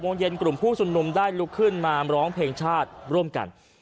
โมงเย็นกลุ่มผู้ชุมนุมได้ลุกขึ้นมาร้องเพลงชาติร่วมกัน